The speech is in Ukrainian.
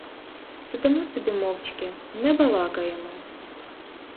Сидимо собі мовчки, не балакаємо.